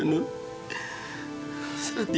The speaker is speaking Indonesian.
saya yang menjaga dia